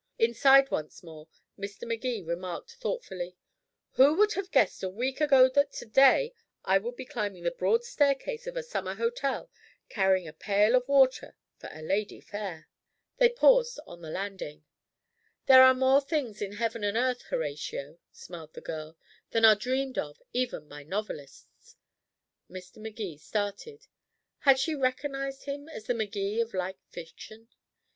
Inside once more, Mr. Magee remarked thoughtfully: "Who would have guessed a week ago that to day I would be climbing the broad staircase of a summer hotel carrying a pail of water for a lady fair?" They paused on the landing. "There are more things in heaven and earth, Horatio," smiled the girl, "than are dreamed of, even by novelists." Mr. Magee started. Had she recognized him as the Magee of light fiction?